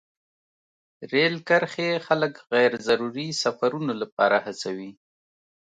رېل کرښې خلک غیر ضروري سفرونو لپاره هڅوي.